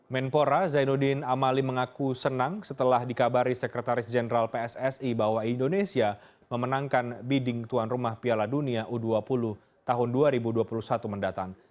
menpora zainuddin amali mengaku senang setelah dikabari sekretaris jenderal pssi bahwa indonesia memenangkan bidding tuan rumah piala dunia u dua puluh tahun dua ribu dua puluh satu mendatang